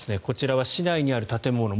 こちらは市内にある建物